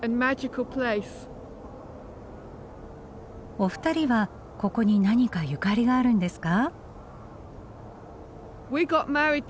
お二人はここに何かゆかりがあるんですか？